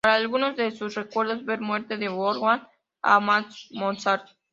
Para algunos de sus recuerdos, ver Muerte de Wolfgang Amadeus Mozart.